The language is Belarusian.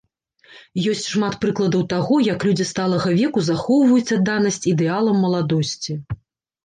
Ёсць шмат прыкладаў таго, як людзі сталага веку захоўваюць адданасць ідэалам маладосці.